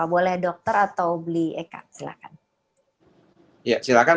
boleh dokter atau beli eka silahkan